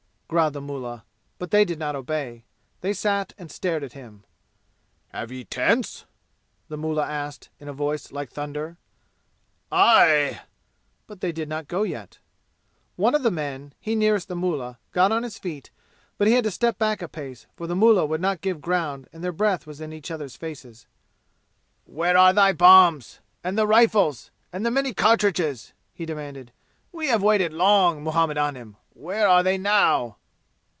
growled the mullah. But they did not obey. They sat and stared at him. "Have ye tents?" the mullah asked, in a voice like thunder. "Aye!" But they did not go yet. One of the men, he nearest the mullah, got on his feet, but he had to step back a pace, for the mullah would not give ground and their breath was in each other's faces. "Where are the bombs? And the rifles? And the many cartridges?" he demanded. "We have waited long, Muhammad Anim. Where are they now?"